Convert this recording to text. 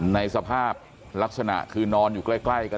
ในสภาพลักษณะคือนอนอยู่ใกล้กัน